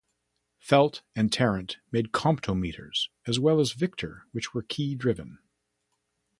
Felt and Tarrant made Comptometers, as well as Victor, which were key-driven.